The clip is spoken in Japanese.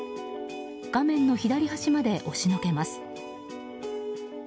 画面の左端まで押しのけます。